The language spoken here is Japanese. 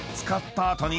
使った後。